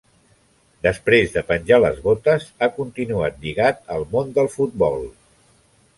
Després de penjar les botes, ha continuat lligat al món del futbol.